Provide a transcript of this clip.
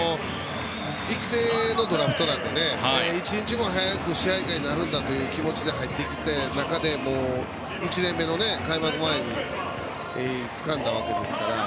育成のドラフトなので１日も早く支配下になるんだという気持ちで入ってきた中で１年目の開幕前につかんだわけですから。